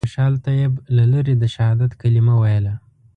خوشحال طیب له لرې د شهادت کلمه ویله.